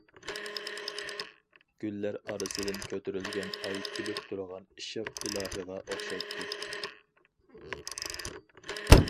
گۈللەر ئارىسىدىن كۆتۈرۈلگەن ئاي كۈلۈپ تۇرغان ئىشق ئىلاھىغا ئوخشايتتى.